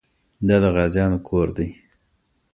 دا د غازيانو کور دی.